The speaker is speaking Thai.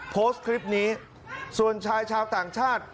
โพสต์คลิปนี้ส่วนชายชาวต่างชาติ